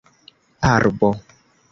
arbo